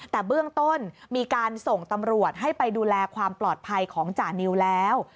แต่เบื้องต้นมีการส่งตำรวจให้ไปดูแลความปลอดภัยของจานิวแล้ว